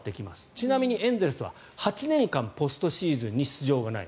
ちなみにエンゼルスは８年間ポストシーズンに出場がない。